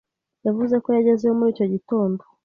Yavuze ko yagezeyo muri icyo gitondo.